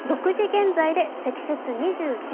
６時現在で積雪２９ｃｍ。